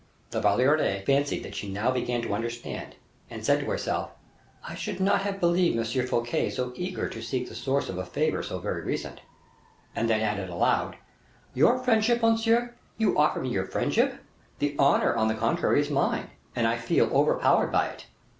La Valliere fancied that she now began to understand, and said to herself, "I should not have believed M. Fouquet so eager to seek the source of a favor so very recent," and then added aloud, "Your friendship, monsieur! you offer me your friendship. The honor, on the contrary, is mine, and I feel overpowered by it."